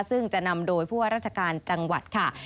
ซึ่งจะนำโดยผู้ว่าราชการจังหวัดค่ะ